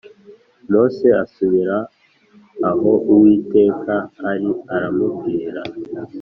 Mose asubira aho uwiteka ari aramubwira